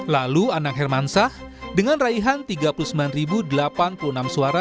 lalu anang hermansah dengan raihan tiga puluh sembilan delapan puluh enam suara